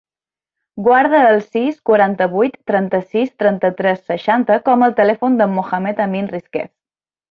Guarda el sis, quaranta-vuit, trenta-sis, trenta-tres, seixanta com a telèfon del Mohamed amin Risquez.